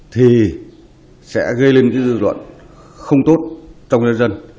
thì sẽ gây lên cái dư luận không tốt trong nhân dân